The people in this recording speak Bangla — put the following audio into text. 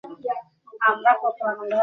আমাদের যেতে হবে, চলো।